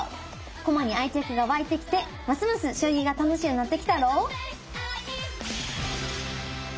駒に愛着が湧いてきてますます将棋が楽しゅうなってきたろう？